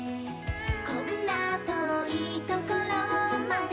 「こんな遠いところまで」